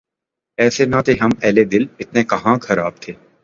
ایسے نہ تھے ہم اہلِ دل ، اتنے کہاں خراب تھے